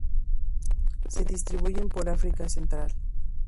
Se distribuyen por África Central.